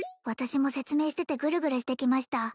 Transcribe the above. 私も説明しててグルグルしてきました